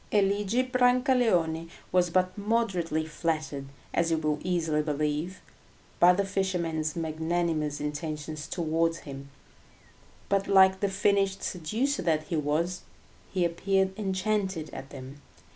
Eligi Brancaleone was but moderately flattered, as you will easily believe, by the fisherman's magnanimous intentions towards him; but like the finished seducer that he was, he appeared enchanted at them.